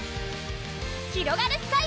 ひろがるスカイ！